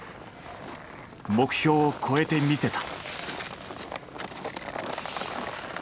目標を超えてみせた。